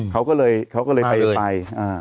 เขาก็เลยไป